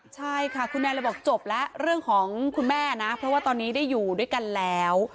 ใช่ค่ะคุณแนนเลยบอกจบแล้วเรื่องของคุณแม่นะเพราะว่าตอนนี้ได้อยู่ด้วยกันแล้ว